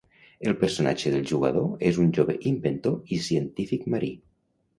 El personatge del jugador és un jove inventor i científic marí.